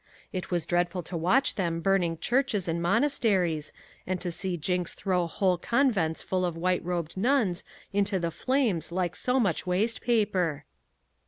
It was dreadful to watch them burning churches and monasteries and to see Jinks throw whole convents full of white robed nuns into the flames like so much waste paper.